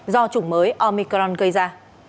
do chủng mới omicron gây ra